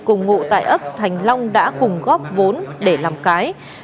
cùng ngụ tại ấp thành long đã cùng góp vốn để làm cái